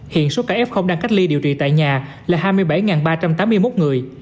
hiện số ca f đang cách ly điều trị tại nhà là hai mươi bảy ba trăm tám mươi một người